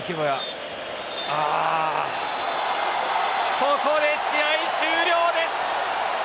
ここで試合終了です！